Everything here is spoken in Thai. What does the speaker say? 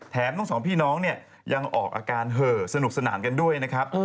ทั้งสองพี่น้องเนี่ยยังออกอาการเห่อสนุกสนานกันด้วยนะครับ